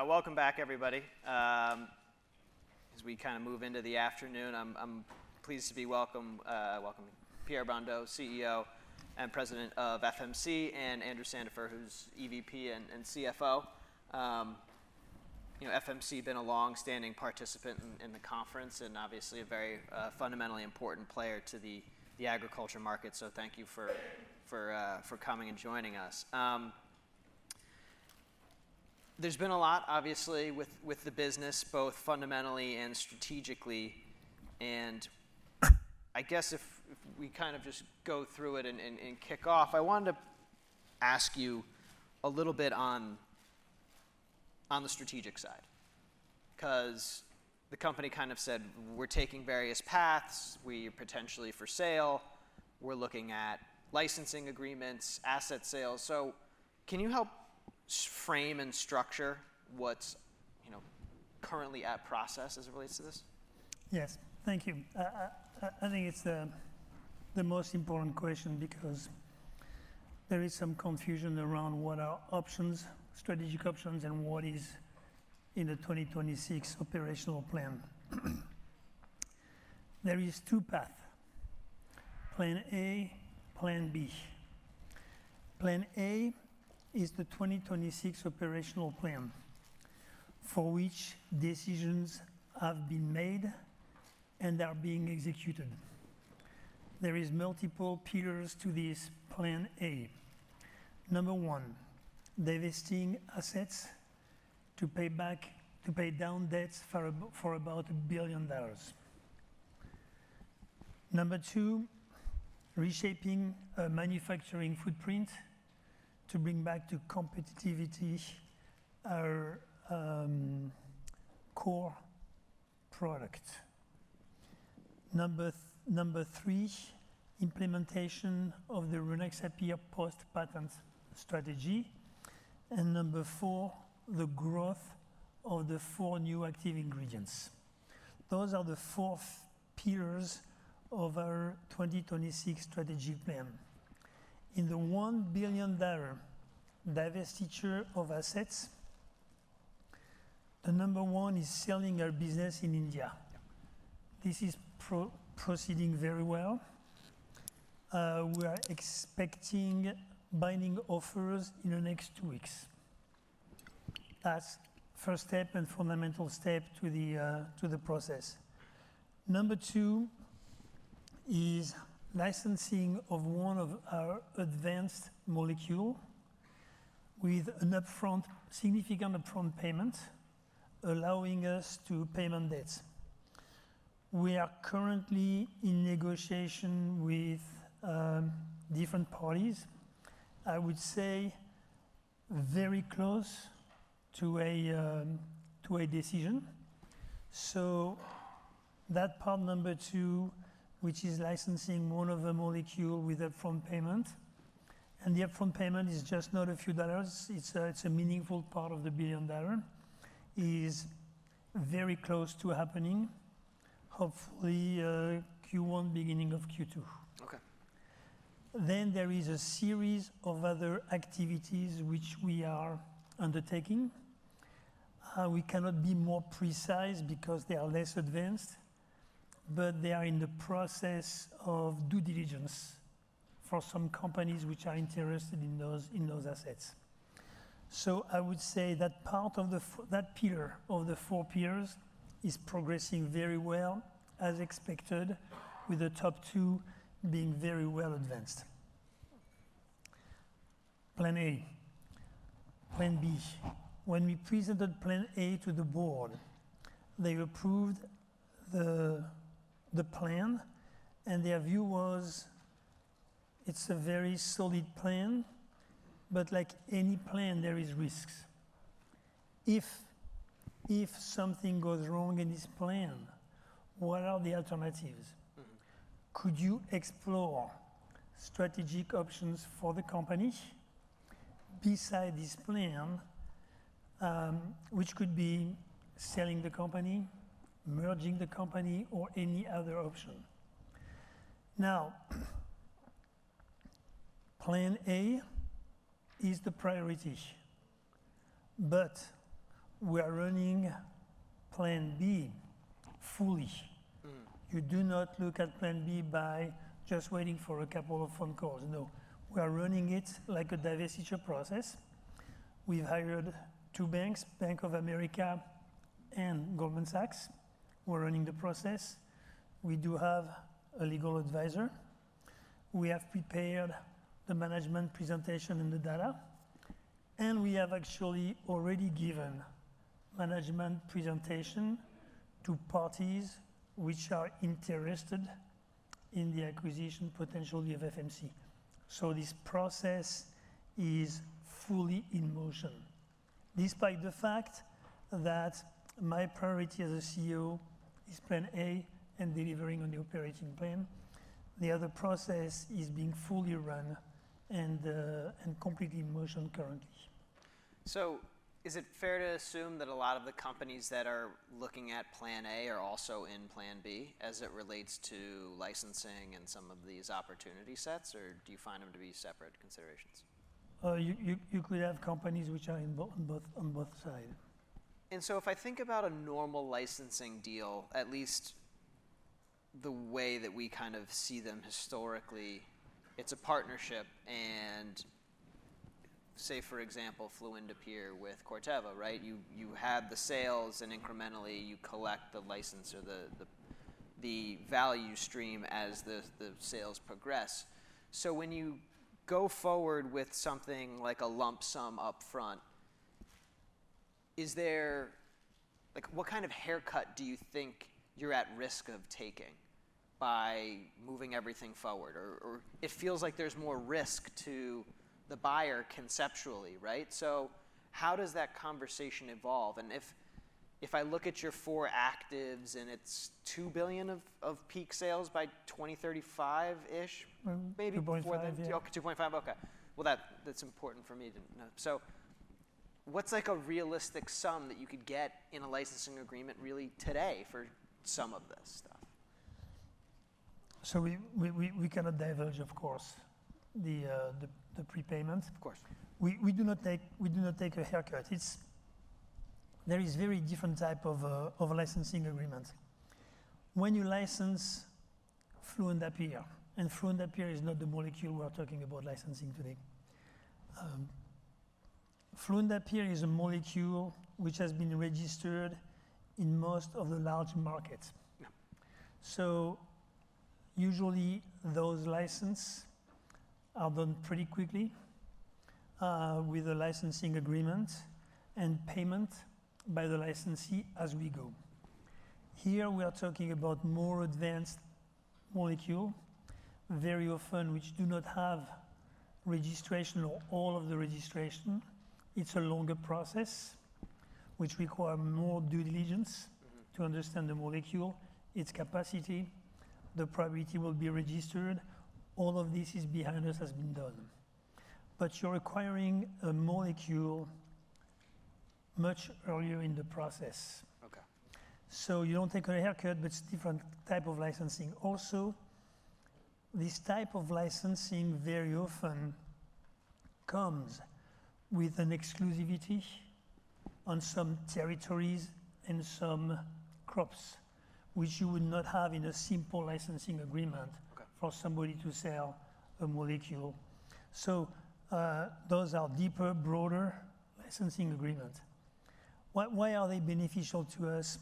Welcome back, everybody. As we kind of move into the afternoon, I'm pleased to be welcoming Pierre Brondeau, CEO and President of FMC, and Andrew Sandifer, who's EVP and CFO. You know, FMC been a long-standing participant in the conference and obviously a very fundamentally important player to the agriculture market. Thank you for coming and joining us. There's been a lot, obviously, with the business, both fundamentally and strategically, and I guess if we kind of just go through it and kick off, I wanted to ask you a little bit on the strategic side. 'Cause the company kind of said, "We're taking various paths. We're potentially for sale. We're looking at licensing agreements, asset sales. Can you help frame and structure what's, you know, currently at process as it relates to this? Yes. Thank you. I think it's the most important question because there is some confusion around what are options, strategic options, and what is in the 2026 operational plan. There is two path: Plan A, Plan B. Plan A is the 2026 operational plan, for which decisions have been made and are being executed. There is multiple pillars to this Plan A. Number one, divesting assets to pay down debts for about $1 billion. Number two, reshaping a manufacturing footprint to bring back to competitivity our core product. Number three, implementation of the Rynaxypyr post-patent strategy. Number four, the growth of the four new active ingredients. Those are the four pillars of our 2026 strategy plan. In the $1 billion divestiture of assets, the number one is selling our business in India. Yeah. This is proceeding very well. We are expecting binding offers in the next two weeks. That's first step and fundamental step to the process. Number two is licensing of one of our advanced molecule with an upfront, significant upfront payment, allowing us to pay down debts. We are currently in negotiation with different parties. I would say very close to a decision. That part number two, which is licensing one of the molecule with upfront payment, and the upfront payment is just not a few dollars, it's a, it's a meaningful part of the $1 billion, is very close to happening, hopefully, Q1, beginning of Q2. Okay. There is a series of other activities which we are undertaking. We cannot be more precise because they are less advanced, but they are in the process of due diligence for some companies which are interested in those assets. I would say that part of that pillar, of the four pillars, is progressing very well, as expected, with the top two being very well advanced. Plan A. Plan B. When we presented Plan A to the board, they approved the plan, and their view was, it's a very solid plan, but like any plan, there is risks. If something goes wrong in this plan, what are the alternatives? Could you explore strategic options for the company beside this plan? Which could be selling the company, merging the company, or any other option. Plan A is the priority, but we are running Plan B fully. You do not look at Plan B by just waiting for a couple of phone calls. No. We are running it like a divestiture process. We've hired two banks, Bank of America and Goldman Sachs. We're running the process. We do have a legal advisor. We have prepared the management presentation and the data, and we have actually already given management presentation to parties which are interested in the acquisition, potentially, of FMC. This process is fully in motion. Despite the fact that my priority as a CEO is Plan A and delivering on the operating plan, the other process is being fully run and completely in motion currently. Is it fair to assume that a lot of the companies that are looking at Plan A are also in Plan B, as it relates to licensing and some of these opportunity sets, or do you find them to be separate considerations? You could have companies which are on both sides. If I think about a normal licensing deal, at least, the way that we kind of see them historically, it's a partnership. Say, for example, fluindapyr with Corteva, right? You had the sales, and incrementally, you collect the license or the value stream as the sales progress. When you go forward with something like a lump sum up front, is there? Like, what kind of haircut do you think you're at risk of taking by moving everything forward? Or it feels like there's more risk to the buyer conceptually, right? How does that conversation evolve? If I look at your four actives and it's $2 billion of peak sales by 2035-ish, maybe. 2.5, yeah. Okay, $2.5. Okay. Well, that's important for me to know. What's like a realistic sum that you could get in a licensing agreement really today for some of this stuff? We cannot divulge, of course, the prepayment. Of course. We do not take a haircut. There is very different type of licensing agreements. When you license fluindapyr, and fluindapyr is not the molecule we are talking about licensing today. fluindapyr is a molecule which has been registered in most of the large markets. Yeah. Usually, those license are done pretty quickly, with a licensing agreement and payment by the licensee as we go. Here, we are talking about more advanced molecule, very often which do not have registration or all of the registration. It's a longer process, which require more due diligence to understand the molecule, its capacity, the probability will be registered. All of this is behind us, has been done. You're acquiring a molecule much earlier in the process. Okay. You don't take a haircut, but it's different type of licensing. Also, this type of licensing very often comes with an exclusivity on some territories and some crops, which you would not have in a simple licensing agreement. Okay For somebody to sell a molecule. Those are deeper, broader licensing agreement. Why are they beneficial to us?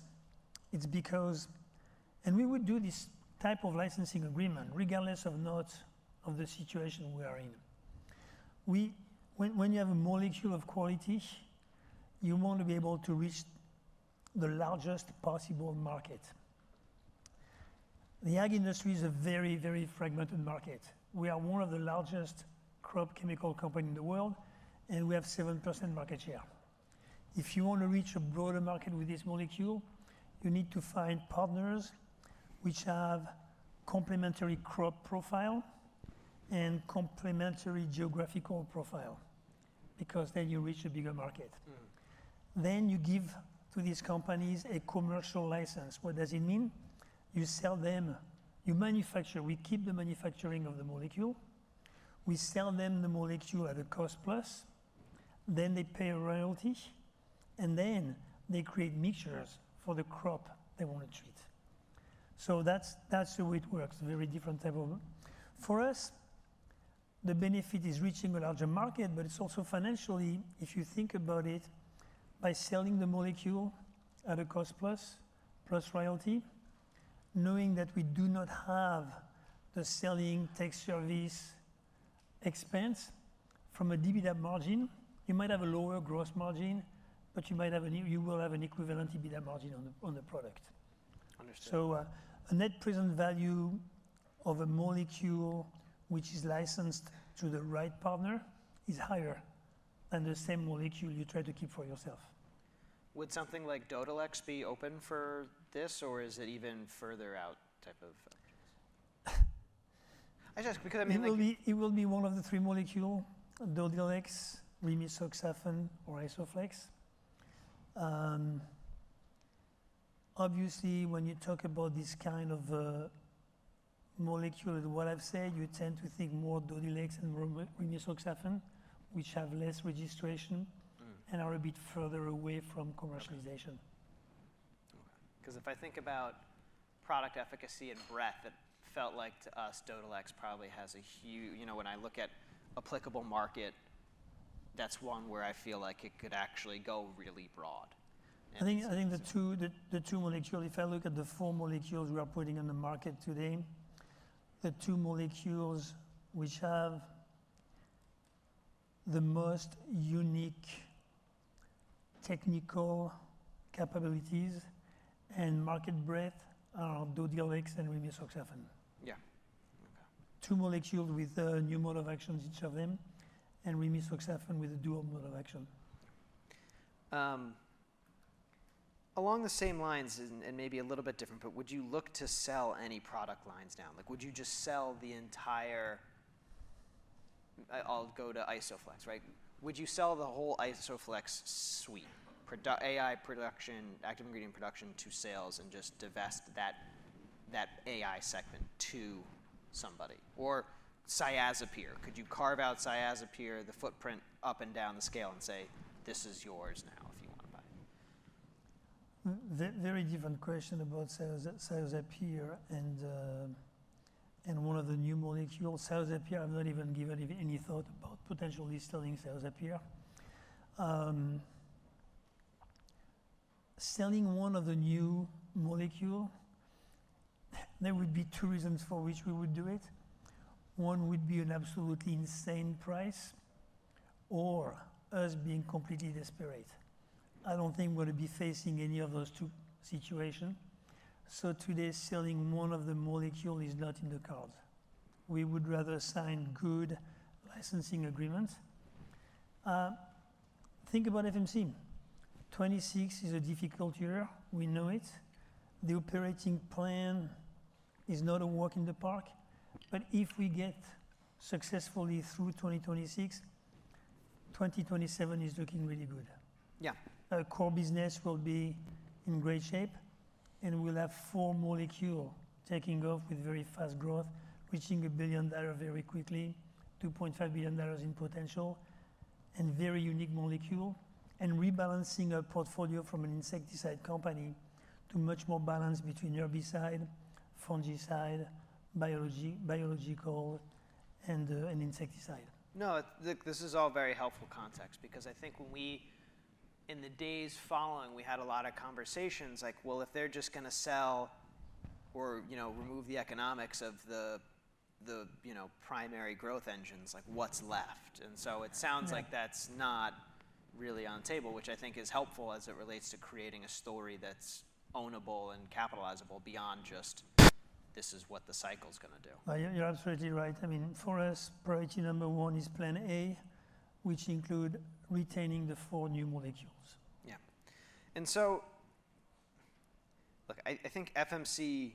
It's because we would do this type of licensing agreement regardless of not, of the situation we are in. When you have a molecule of quality, you want to be able to reach the largest possible market. The ag industry is a very, very fragmented market. We are one of the largest crop chemical company in the world, and we have 7% market share. If you want to reach a broader market with this molecule, you need to find partners which have complementary crop profile and complementary geographical profile, because then you reach a bigger market. You give to these companies a commercial license. What does it mean? You sell them, We keep the manufacturing of the molecule. We sell them the molecule at a cost plus, then they pay a royalty, and then they create mixtures. Yeah For the crop they want to treat. That's the way it works, a very different type of. For us, the benefit is reaching a larger market. It's also financially, if you think about it, by selling the molecule at a cost plus royalty, knowing that we do not have the selling tax service expense. From an EBITDA margin, you might have a lower gross margin, but you will have an equivalent EBITDA margin on the product. Understood. A net present value of a molecule which is licensed to the right partner is higher than the same molecule you try to keep for yourself. Would something like Dodhylex be open for this, or is it even further out type of, I mean, like? It will be one of the three molecule, Dodhylex, Rimisoxafen, or Isoflex. Obviously, when you talk about this kind of molecule, what I've said, you tend to think more Dodhylex and Rimisoxafen, which have less registration and are a bit further away from commercialization. Okay. 'Cause if I think about product efficacy and breadth, it felt like to us, Dodhylex probably has a You know, when I look at applicable market, that's one where I feel like it could actually go really broad. I think the two molecule, if I look at the four molecules we are putting on the market today, the two molecules which have the most unique technical capabilities and market breadth are Dodhylex and Rimisoxafen. Yeah. Okay. Two molecule with new modes of action, each of them, and Rimisoxafen with a dual mode of action. Along the same lines and, maybe a little bit different, but would you look to sell any product lines down? Like, would you just sell the entire Isoflex, right? Would you sell the whole Isoflex suite, AI production, active ingredient production to sales and just divest that AI segment to somebody? Cyazypyr. Could you carve out Cyazypyr, the footprint up and down the scale and say, "This is yours now, if you want? very different question about sales up here and one of the new molecule sales up here. I've not even given any thought about potentially selling sales up here. Selling one of the new molecule, there would be two reasons for which we would do it. One would be an absolutely insane price or us being completely desperate. I don't think we're gonna be facing any of those two situation. Today, selling one of the molecule is not in the cards. We would rather sign good licensing agreements. Think about FMC. 2026 is a difficult year, we know it. The operating plan is not a walk in the park. If we get successfully through 2026, 2027 is looking really good. Yeah. Our core business will be in great shape, we'll have four molecule taking off with very fast growth, reaching $1 billion very quickly, $2.5 billion in potential, very unique molecule, rebalancing our portfolio from an insecticide company to much more balance between herbicide, fungicide, biology, biological, and an insecticide. No, look, this is all very helpful context because I think when we In the days following, we had a lot of conversations like, "Well, if they're just gonna sell or, you know, remove the economics of the, you know, primary growth engines, like, what's left? Yeah. Like that's not really on the table, which I think is helpful as it relates to creating a story that's ownable and capitalizable beyond just, this is what the cycle's gonna do. Well, you're absolutely right. I mean, for us, priority number one is Plan A, which include retaining the four new molecules. Yeah. Look, I think FMC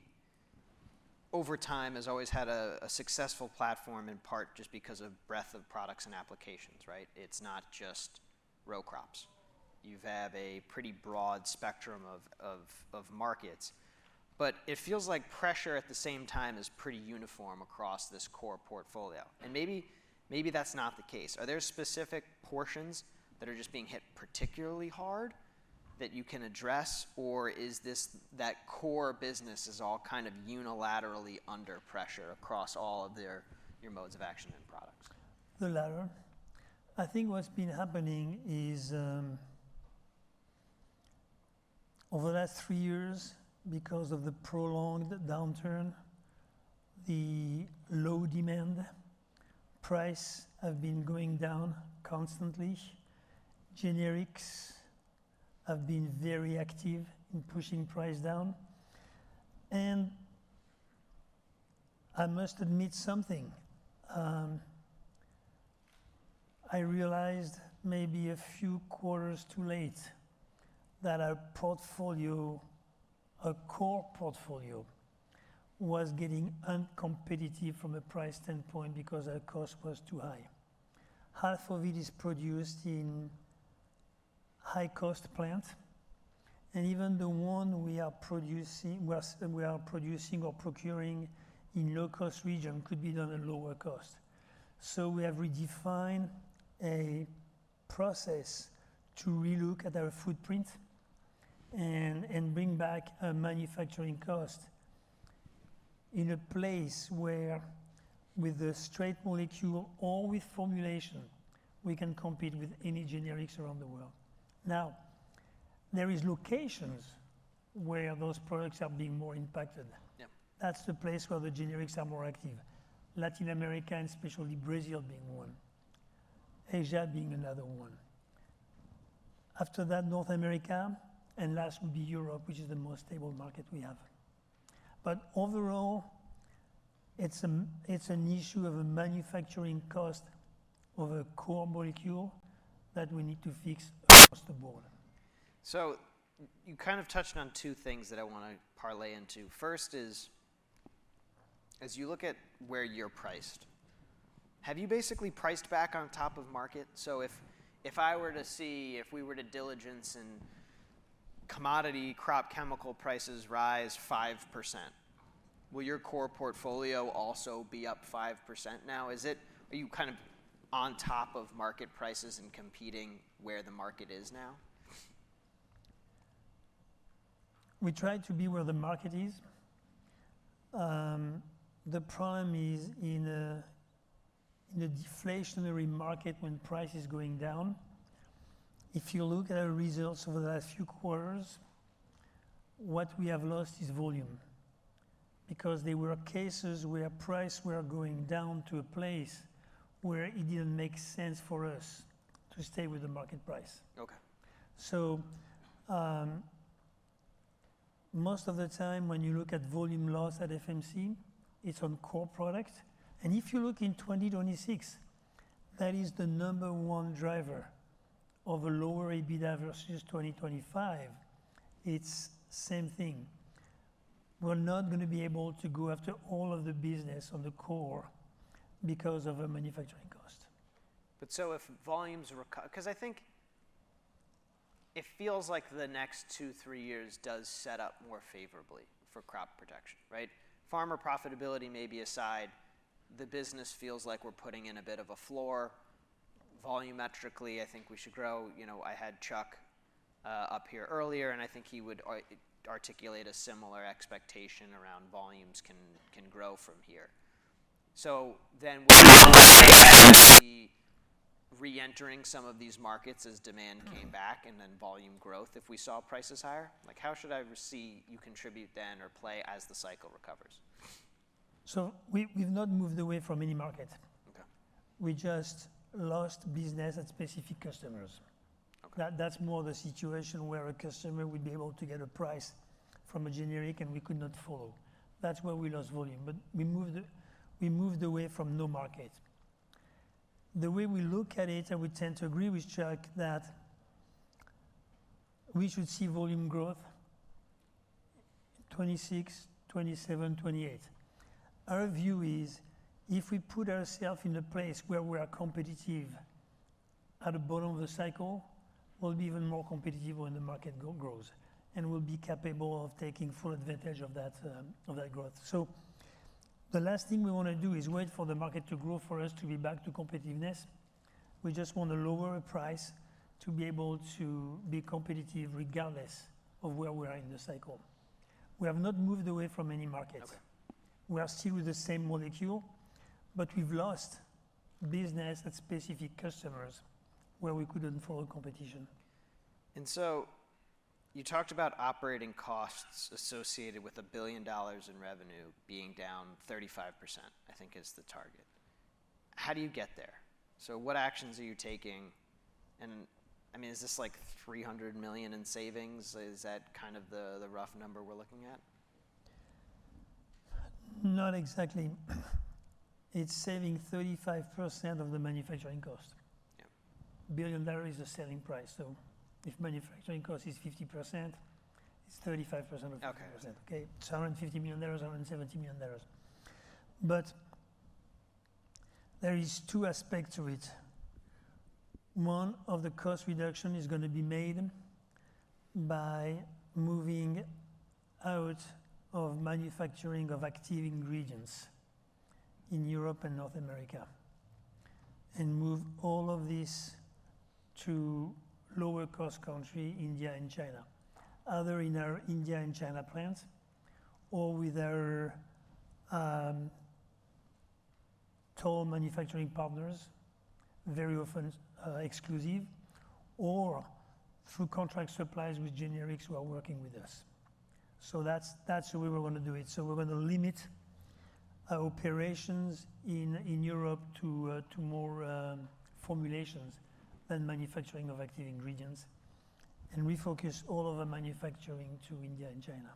over time has always had a successful platform, in part just because of breadth of products and applications, right? It's not just row crops. You've had a pretty broad spectrum of markets, it feels like pressure at the same time is pretty uniform across this core portfolio. Yeah. Maybe, maybe that's not the case. Are there specific portions that are just being hit particularly hard that you can address? Or is this, that core business is all kind of unilaterally under pressure across all of their, your modes of action and products? The latter. I think what's been happening is, over the last three years, because of the prolonged downturn, the low demand, price have been going down constantly. generics have been very active in pushing price down. I must admit something. I realized maybe a few quarters too late, that our portfolio, our core portfolio, was getting uncompetitive from a price standpoint because our cost was too high. Half of it is produced in high-cost plants, and even the one we are producing we are producing or procuring in low-cost region could be done at lower cost. We have redefined a process to relook at our footprint and bring back a manufacturing cost in a place where, with a straight molecule or with formulation, we can compete with any generics around the world. Now, there is locations where those products are being more impacted. Yeah. That's the place where the generics are more active. Latin America, and especially Brazil, being one. Asia being another one. After that, North America, and last would be Europe, which is the most stable market we have. Overall, it's an issue of a manufacturing cost of a core molecule that we need to fix across the board. You kind of touched on two things that I wanna parlay into. First is, as you look at where you're priced, have you basically priced back on top of market? If, if I were to see, if we were to diligence and commodity crop chemical prices rise 5%, will your core portfolio also be up 5% now? Are you kind of on top of market prices and competing where the market is now? We try to be where the market is. The problem is in a deflationary market, when price is going down, if you look at our results over the last few quarters, what we have lost is volume. There were cases where price were going down to a place where it didn't make sense for us to stay with the market price. Okay. Most of the time, when you look at volume loss at FMC, it's on core products. If you look in 2026, that is the number one driver of a lower EBITDA versus 2025, it's same thing. We're not gonna be able to go after all of the business on the core because of a manufacturing cost. If volumes 'cause I think it feels like the next two, three years does set up more favorably for crop production, right? Farmer profitability may be aside. The business feels like we're putting in a bit of a floor. Volumetrically, I think we should grow. You know, I had Chuck up here earlier, and I think he would articulate a similar expectation around volumes can grow from here. Reentering some of these markets as demand came back and then volume growth, if we saw prices higher? Like, how should I receive you contribute then or play as the cycle recovers? We've not moved away from any market. Okay. We just lost business and specific customers. Okay. That's more the situation where a customer would be able to get a price from a generic, and we could not follow. That's where we lost volume, but we moved away from no market. The way we look at it, and we tend to agree with Chuck, that we should see volume growth, 2026, 2027, 2028. Our view is, if we put ourselves in a place where we are competitive at the bottom of the cycle, we'll be even more competitive when the market grows, and we'll be capable of taking full advantage of that of that growth. The last thing we wanna do is wait for the market to grow for us to be back to competitiveness. We just want a lower price to be able to be competitive regardless of where we are in the cycle. We have not moved away from any markets. Okay. We are still with the same molecule, but we've lost business and specific customers where we couldn't follow competition. You talked about operating costs associated with $1 billion in revenue being down 35%, I think is the target. How do you get there? What actions are you taking? I mean, is this, like, $300 million in savings? Is that kind of the rough number we're looking at? Not exactly. It's saving 35% of the manufacturing cost. Yeah. billion is the selling price, if manufacturing cost is 50%, it's 35% of 50%. Okay. It's $150 million, $170 million. There are two aspects to it. One of the cost reduction is going to be made by moving out of manufacturing of active ingredients in Europe and North America, and move all of these to lower-cost countries, India and China. Either in our India and China plants or with our toll manufacturing partners, very often exclusive or through contract suppliers with generics who are working with us. That's the way we're going to do it. We're going to limit our operations in Europe to more formulations than manufacturing of active ingredients and refocus all of the manufacturing to India and China.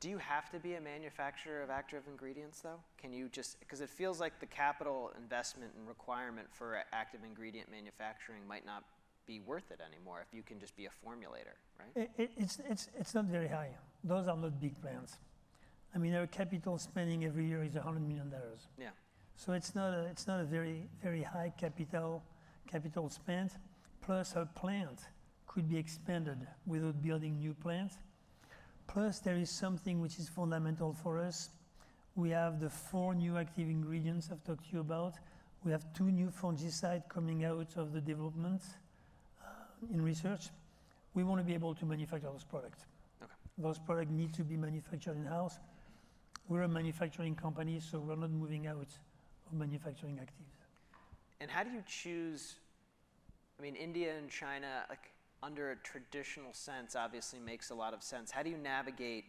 Do you have to be a manufacturer of active ingredients, though? Can you just 'cause it feels like the capital investment and requirement for active ingredient manufacturing might not be worth it anymore if you can just be a formulator, right? It's not very high. Those are not big plants. I mean, our capital spending every year is $100 million. Yeah. It's not a very high capital spend. Our plant could be expanded without building new plant. There is something which is fundamental for us. We have the four new active ingredients I've talked to you about. We have two new fungicide coming out of the development in research. We wanna be able to manufacture those products. Okay. Those products need to be manufactured in-house. We're a manufacturing company, we're not moving out of manufacturing actives. How do you choose? I mean, India and China, like, under a traditional sense, obviously makes a lot of sense. How do you navigate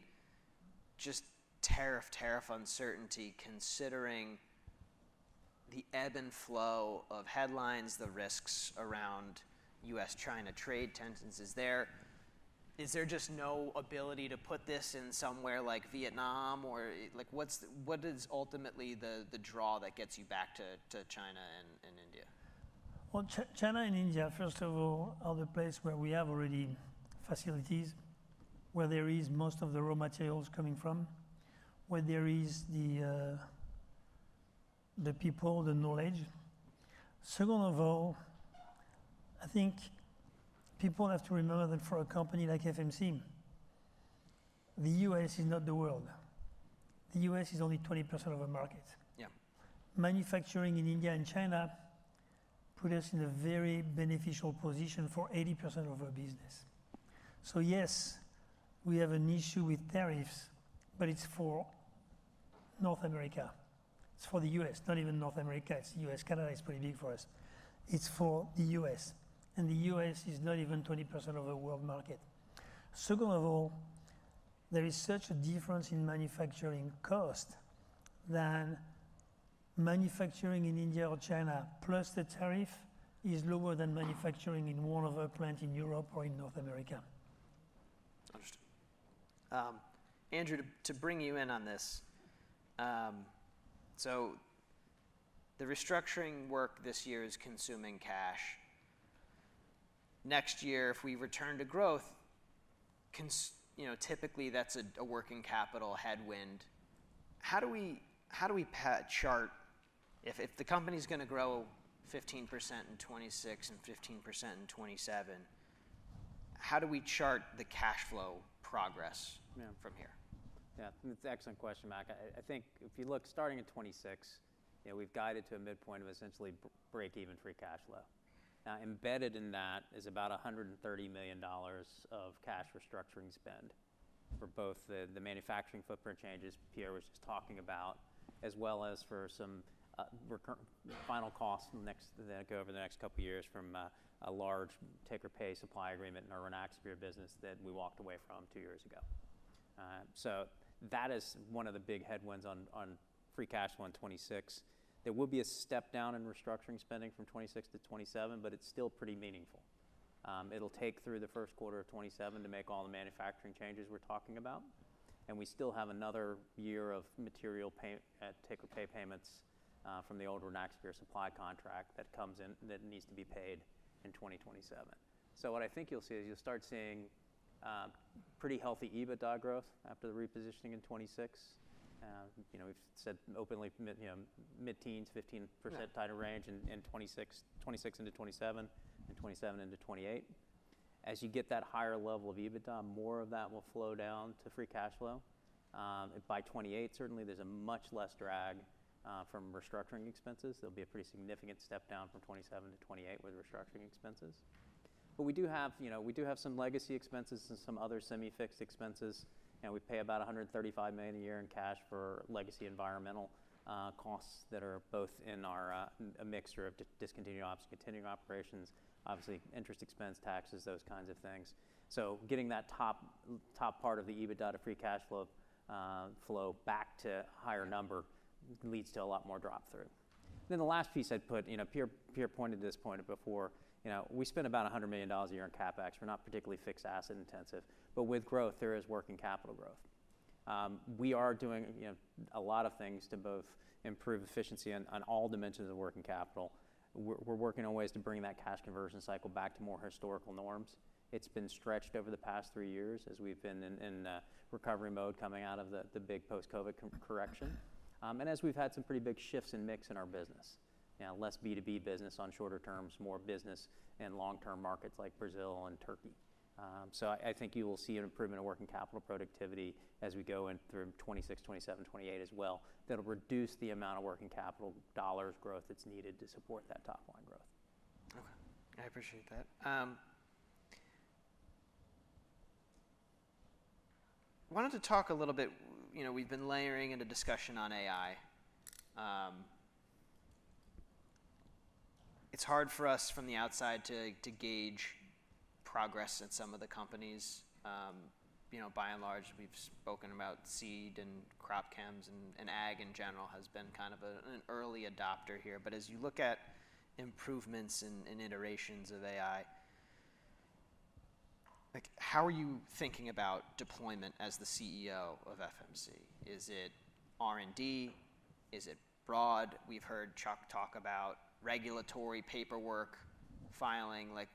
just tariff uncertainty, considering the ebb and flow of headlines, the risks around U.S., China trade tensions? Is there just no ability to put this in somewhere like Vietnam or? Like, what is ultimately the draw that gets you back to China and India? Well, China and India, first of all, are the place where we have already facilities, where there is most of the raw materials coming from, where there is the people, the knowledge. Second of all, I think people have to remember that for a company like FMC, the U.S. is not the world. The U.S. is only 20% of our market. Yeah. Manufacturing in India and China put us in a very beneficial position for 80% of our business. Yes, we have an issue with tariffs, but it's for North America. It's for the U.S., not even North America. It's U.S., Canada is pretty big for us. It's for the U.S., and the U.S. is not even 20% of the world market. Second of all, there is such a difference in manufacturing cost, that manufacturing in India or China, plus the tariff, is lower than manufacturing in one of our plant in Europe or in North America. Understood. Andrew, to bring you in on this. The restructuring work this year is consuming cash. Next year, if we return to growth, you know, typically that's a working capital headwind. How do we chart if the company's gonna grow 15% in 2026 and 15% in 2027? How do we chart the cash flow progress? Yeah. from here? Yeah, that's an excellent question, Mac. I think if you look, starting in 2026, you know, we've guided to a midpoint of essentially break-even free cash flow. Now, embedded in that is about $130 million of cash restructuring spend for both the manufacturing footprint changes Pierre was just talking about, as well as for some final costs that go over the next couple of years from a large take-or-pay supply agreement in our Rynaxypyr business that we walked away from two years ago. That is one of the big headwinds on free cash flow in 2026. There will be a step down in restructuring spending from 2026 to 2027, but it's still pretty meaningful. It'll take through the first quarter of 2027 to make all the manufacturing changes we're talking about, and we still have another year of material take-or-pay payments from the old Rynaxypyr supply contract that comes in, that needs to be paid in 2027. What I think you'll see is, you'll start seeing pretty healthy EBITDA growth after the repositioning in 2026. You know, we've said openly mid, you know, mid-teens, fifteen percent. Yeah Kind of range in 2026 into 2027 and 2027 into 2028. As you get that higher level of EBITDA, more of that will flow down to free cash flow. By 2028, certainly there's a much less drag from restructuring expenses. There'll be a pretty significant step down from 2027 to 2028 with restructuring expenses. We do have, you know, we do have some legacy expenses and some other semi-fixed expenses, and we pay about $135 million a year in cash for legacy environmental costs that are both in our a mixture of discontinued ops, continuing operations, obviously, interest expense, taxes, those kinds of things. Getting that top part of the EBITDA to free cash flow flow back to higher number leads to a lot more drop through. The last piece I'd put, you know, Pierre pointed this point before, you know, we spend about $100 million a year on CapEx. We're not particularly fixed asset intensive, but with growth, there is working capital growth. We are doing, you know, a lot of things to both improve efficiency on all dimensions of working capital. We're working on ways to bring that cash conversion cycle back to more historical norms. It's been stretched over the past three years as we've been in recovery mode, coming out of the big post-COVID correction. As we've had some pretty big shifts in mix in our business, you know, less B2B business on shorter terms, more business in long-term markets like Brazil and Turkey. I think you will see an improvement in working capital productivity as we go in through 2026, 2027, 2028 as well, that'll reduce the amount of working capital dollars growth that's needed to support that top line growth. Okay, I appreciate that. I wanted to talk a little bit. You know, we've been layering in the discussion on AI. It's hard for us from the outside to gauge progress at some of the companies. You know, by and large, we've spoken about seed and crop chems, and ag in general has been kind of an early adopter here. As you look at improvements and iterations of AI, like, how are you thinking about deployment as the CEO of FMC? Is it R&D? Is it broad? We've heard Chuck talk about regulatory paperwork, filing. Like,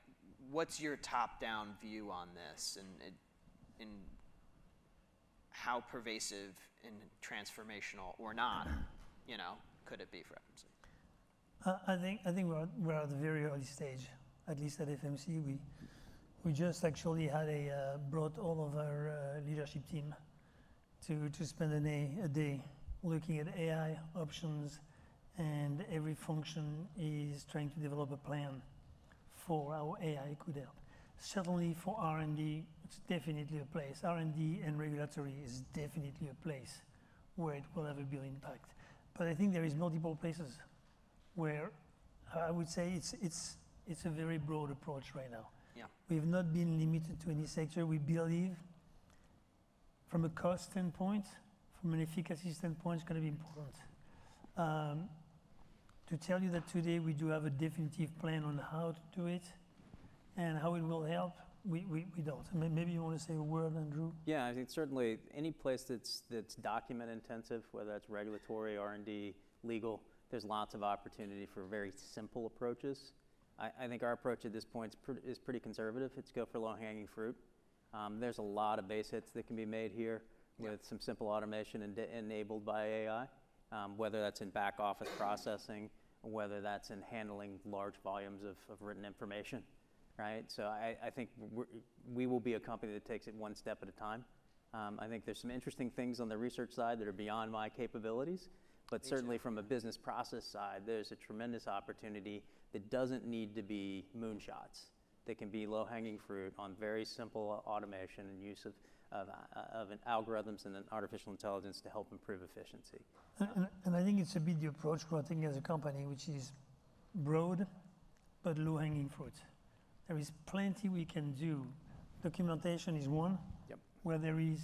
what's your top-down view on this, and how pervasive and transformational or not, you know, could it be for FMC? I think we're at the very early stage, at least at FMC. We just actually had brought all of our leadership team to spend a day looking at AI options. Every function is trying to develop a plan for how AI could help. Certainly, for R&D, it's definitely a place. R&D and regulatory is definitely a place where it will have a big impact. I think there is multiple places where I would say it's a very broad approach right now. Yeah. We've not been limited to any sector. We believe from a cost standpoint, from an efficacy standpoint, it's going to be important. To tell you that today we do have a definitive plan on how to do it and how it will help, we don't. Maybe you want to say a word, Andrew? I think certainly any place that's document intensive, whether that's regulatory, R&D, legal, there's lots of opportunity for very simple approaches. I think our approach at this point is pretty conservative. It's go for low-hanging fruit. There's a lot of base hits that can be made here. Yeah With some simple automation enabled by AI, whether that's in back office processing or whether that's in handling large volumes of written information, right? I think we will be a company that takes it one step at a time. I think there's some interesting things on the research side that are beyond my capabilities. Me too. Certainly from a business process side, there's a tremendous opportunity that doesn't need to be moonshots, that can be low-hanging fruit on very simple automation and use of algorithms and an artificial intelligence to help improve efficiency. I think it's a bit the approach we are taking as a company, which is broad but low-hanging fruit. There is plenty we can do. Documentation is one. Yep Where there is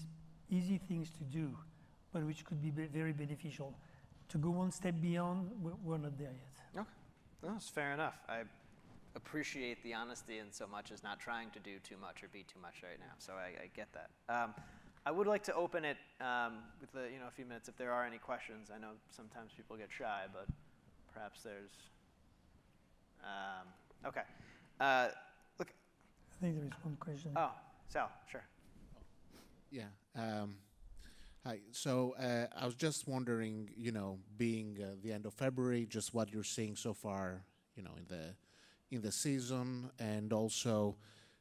easy things to do, but which could be very beneficial. To go one step beyond, we're not there yet. Okay. No, it's fair enough. I appreciate the honesty. So much is not trying to do too much or be too much right now. I get that. I would like to open it, you know, with a few minutes if there are any questions. I know sometimes people get shy. Perhaps there's. Okay. I think there is one question. Oh, Sal, sure. Yeah. Hi. I was just wondering, you know, being the end of February, just what you're seeing so far, you know, in the, in the season, and also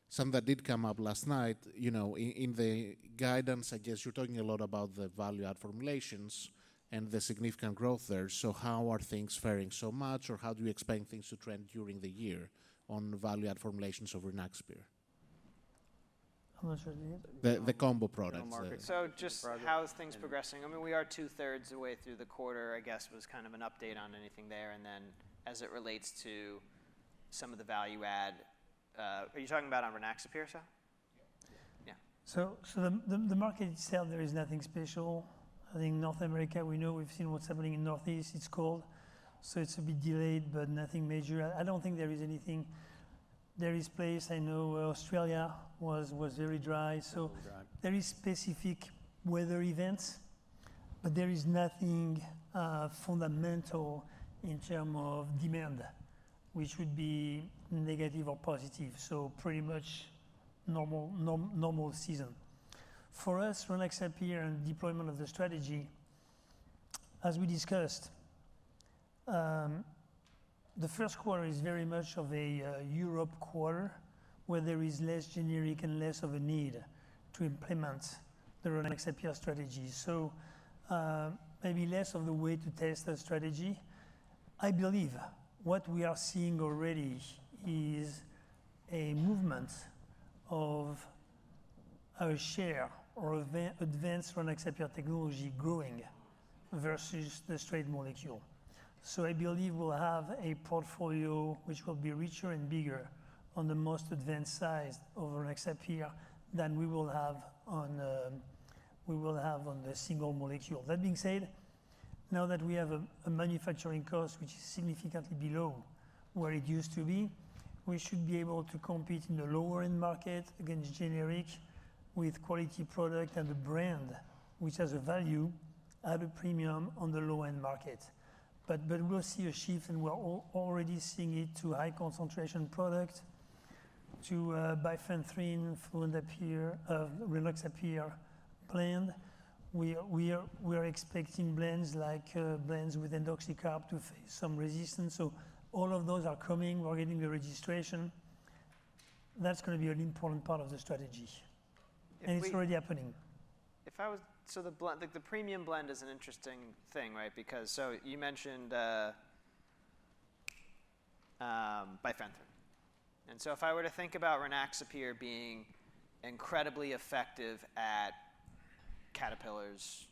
something that did come up last night, you know, in the guidance, I guess you're talking a lot about the value-add formulations and the significant growth there. How are things faring so much, or how do you expect things to trend during the year on value-add formulations over Rynaxypyr? How much was it? The combo products. The market. Product. How are things progressing? I mean, we are two-thirds of the way through the quarter, I guess, was kind of an update on anything there, and then as it relates to some of the value add, Are you talking about on Rynaxypyr, sir? Yeah. Yeah. The market itself, there is nothing special. I think North America, we know we've seen what's happening in Northeast. It's cold, it's a bit delayed, but nothing major. I don't think there is anything. There is place, I know Australia was very dry. Dry. There is specific weather events, but there is nothing fundamental in term of demand, which would be negative or positive, so pretty much normal season. For us, Rynaxypyr and deployment of the strategy, as we discussed, the first quarter is very much of a Europe quarter, where there is less generics and less of a need to implement the Rynaxypyr strategy. Maybe less of the way to test the strategy. I believe what we are seeing already is a movement of our share or advanced Rynaxypyr technology growing versus the straight molecule. I believe we'll have a portfolio which will be richer and bigger on the most advanced side of Rynaxypyr than we will have on, we will have on the single molecule. That being said, now that we have a manufacturing cost which is significantly below where it used to be, we should be able to compete in the lower-end market against generics, with quality product and a brand which has a value at a premium on the low-end market. We'll see a shift, and we're already seeing it to high-concentration product, to Bifenthrin, Fluroxypyr, Rynaxypyr blend. We are expecting blends like blends with indoxacarb to face some resistance, so all of those are coming. We're getting the registration. That's going to be an important part of the strategy. If we It's already happening. If I was. The blend, like, the premium blend is an interesting thing, right? Because, you mentioned, Bifenthrin. If I were to think about Rynaxypyr being incredibly effective at caterpillars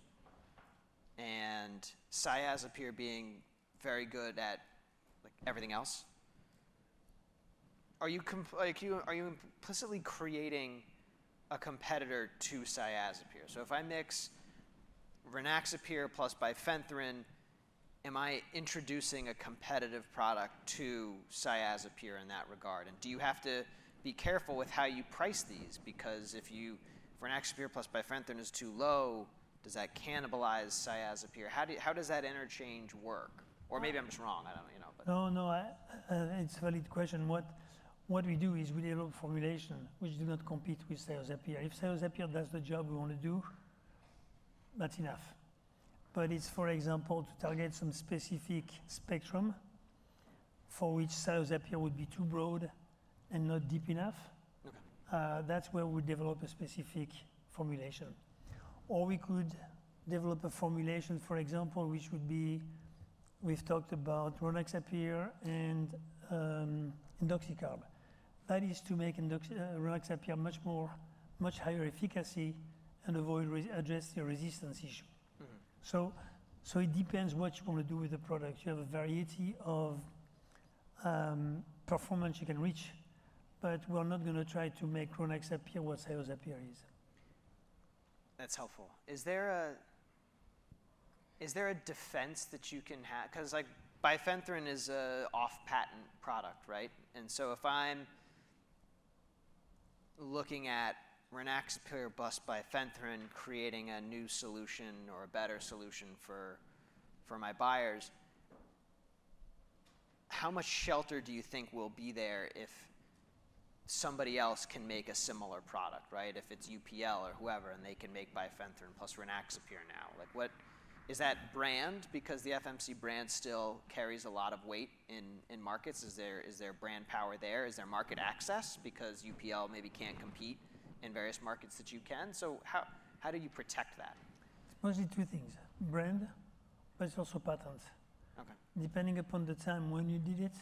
and Cyazypyr being very good at, like, everything else, are you like, you, are you implicitly creating a competitor to Cyazypyr? If I mix Rynaxypyr plus Bifenthrin, am I introducing a competitive product to Cyazypyr in that regard? Do you have to be careful with how you price these? If you, if Rynaxypyr plus Bifenthrin is too low, does that cannibalize Cyazypyr? How do, how does that interchange work? Uh Maybe I'm just wrong. I don't, you know, but. No, it's a valid question. What we do is we develop formulations, which do not compete with Cyazypyr. If Cyazypyr does the job we want to do, that's enough. It's, for example, to target some specific spectrum for which Cyazypyr would be too broad and not deep enough. Okay. That's where we develop a specific formulation. We could develop a formulation, for example, which would be. We've talked about Rynaxypyr and indoxacarb. That is to make Rynaxypyr much more, much higher efficacy and address the resistance issue. It depends what you want to do with the product. You have a variety of performance you can reach, but we're not going to try to make Rynaxypyr what Cyazypyr is. That's helpful. Is there a, is there a defense that you can have? 'Cause, like, Bifenthrin is a off-patent product, right? If I'm looking at Rynaxypyr plus Bifenthrin, creating a new solution or a better solution for my buyers, how much shelter do you think will be there if somebody else can make a similar product, right? If it's UPL or whoever, and they can make Bifenthrin plus Rynaxypyr now. Like, is that brand? Because the FMC brand still carries a lot of weight in markets. Is there, is there brand power there? Is there market access? Because UPL maybe can't compete in various markets that you can. How, how do you protect that? It's mostly two things: brand, but it's also patents. Okay. Depending upon the time when you did it,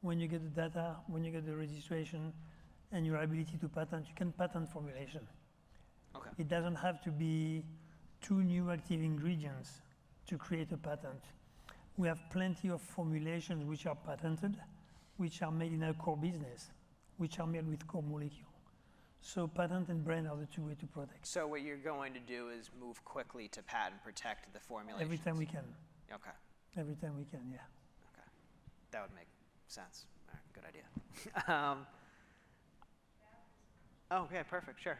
when you get the data, when you get the registration, and your ability to patent, you can patent formulation. Okay. It doesn't have to be two new active ingredients to create a patent. We have plenty of formulations which are patented, which are made in our core business, which are made with core molecule. Patent and brand are the two way to protect. What you're going to do is move quickly to patent protect the formulations. Every time we can. Okay. Every time we can, yeah. Okay. That would make sense. All right, good idea. Now? Okay, perfect. Sure.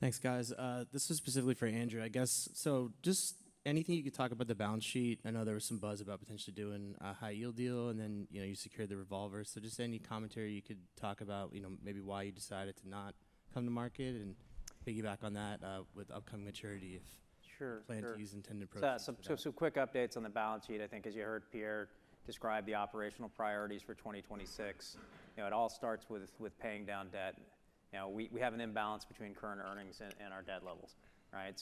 Thanks, guys. This is specifically for Andrew, I guess. Just anything you could talk about the balance sheet? I know there was some buzz about potentially doing a high-yield deal, and then, you know, you secured the revolver. Just any commentary you could talk about, you know, maybe why you decided to not come to market, and piggyback on that, with upcoming maturity, if. Sure. You plan to use intended approach. Quick updates on the balance sheet. I think as you heard Pierre describe the operational priorities for 2026, you know, it all starts with paying down debt. You know, we have an imbalance between current earnings and our debt levels, right?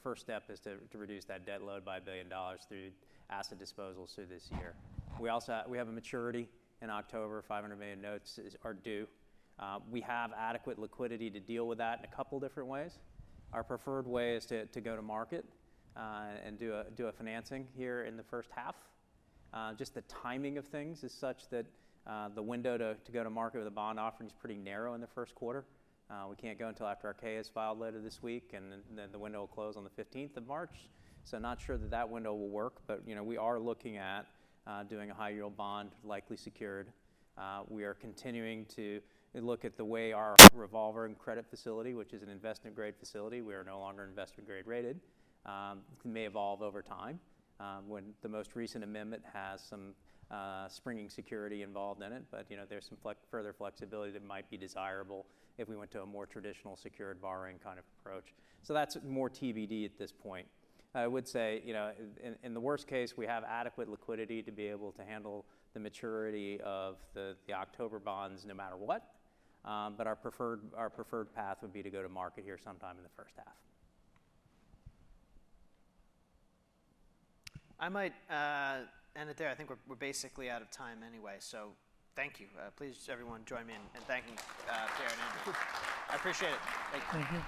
First step is to reduce that debt load by $1 billion through asset disposals through this year. We also have a maturity in October, $500 million notes are due. We have adequate liquidity to deal with that in a couple different ways. Our preferred way is to go to market and do a financing here in the first half. Just the timing of things is such that the window to go to market with a bond offering is pretty narrow in the first quarter. We can't go until after our K is filed later this week, then the window will close on the 15th of March. Not sure that that window will work, but, you know, we are looking at doing a high-yield bond, likely secured. We are continuing to look at the way our revolver and credit facility, which is an investment-grade facility, we are no longer investment-grade rated, may evolve over time, when the most recent amendment has some springing security involved in it. You know, there's some further flexibility that might be desirable if we went to a more traditional secured borrowing kind of approach. That's more TBD at this point. I would say, you know, in the worst case, we have adequate liquidity to be able to handle the maturity of the October bonds no matter what. Our preferred path would be to go to market here sometime in the first half. I might end it there. I think we're basically out of time anyway, thank you. Please, everyone, join me in thanking Pierre and Andrew. I appreciate it. Thank you.